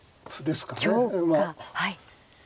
はい。